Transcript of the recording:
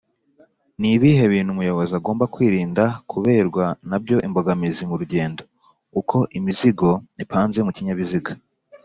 ni bihe bintu umuyobozi agomba kwirinda kuberwa nabyo imbogamizi murugendo?uko imizigo ipanze mu kinyabiziga